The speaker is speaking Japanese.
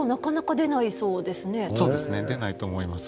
出ないと思います。